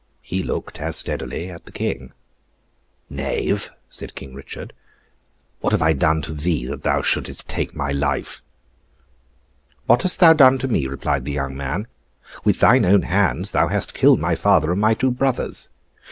He looked, as steadily, at the King. 'Knave!' said King Richard. 'What have I done to thee that thou shouldest take my life?' 'What hast thou done to me?' replied the young man. 'With thine own hands thou hast killed my father and my two brothers.